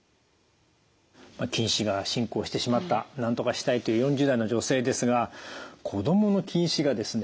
近視が進行してしまったなんとかしたいという４０代の女性ですが子どもの近視がですね